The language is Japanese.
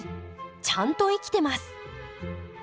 ちゃんと生きてます。